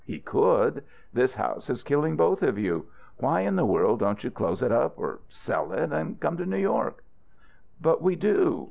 He could. This house is killing both of you. Why in the world don't you close it up, or sell it, and come to New York?" "But we do.